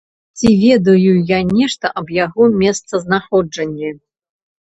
Ці ведаю я нешта аб яго месцазнаходжанні.